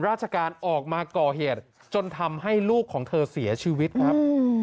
ราชการออกมาก่อเหตุจนทำให้ลูกของเธอเสียชีวิตครับ